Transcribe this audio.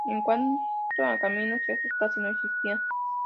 En cuanto a caminos, estos casi no existían.